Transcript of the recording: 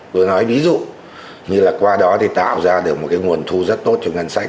tôi nói ví dụ như là qua đó thì tạo ra được một cái nguồn thu rất tốt cho ngân sách